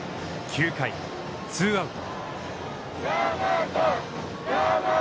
９回ツーアウト。